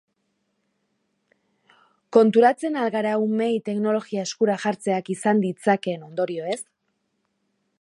Konturatzen al gara umeei teknologia eskura jartzeak izan ditzakeen ondorioez?